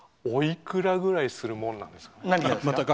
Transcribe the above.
おいくらぐらいするものですか？